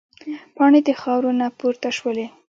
پاڼې د خاورو نه پورته شولې.